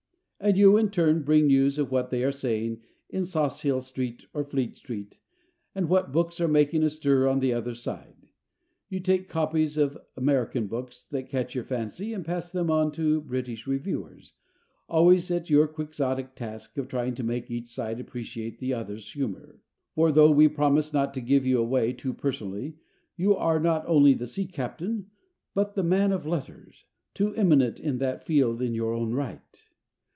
And you, in turn, bring news of what they are saying in Sauchiehall Street or Fleet Street, and what books are making a stir on the other side. You take copies of American books that catch your fancy and pass them on to British reviewers, always at your quixotic task of trying to make each side appreciate the other's humours. For, though we promised not to give you away too personally, you are not only the sea captain but the man of letters, too, eminent in that field in your own right.